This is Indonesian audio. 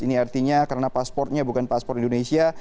ini artinya karena pasportnya bukan paspor indonesia